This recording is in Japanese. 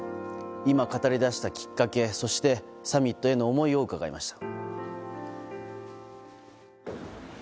今、語りだしたきっかけそしてサミットへの思いを伺いました。